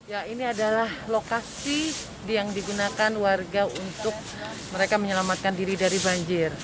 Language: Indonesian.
ya ini adalah lokasi yang digunakan warga untuk mereka menyelamatkan diri dari banjir